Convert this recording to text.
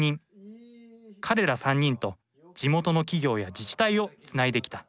彼ら３人と地元の企業や自治体をつないできた